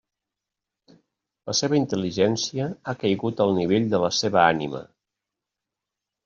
La seva intel·ligència ha caigut al nivell de la seva ànima.